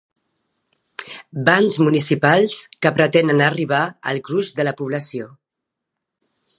Bans municipals que pretenen arribar al gruix de la població.